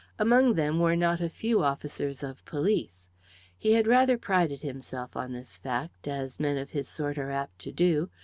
Among them were not a few officers of police. He had rather prided himself on this fact as men of his sort are apt to do.